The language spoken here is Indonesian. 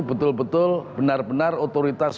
betul betul benar benar otoritas